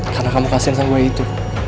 karena kamu kasian sama bayi itu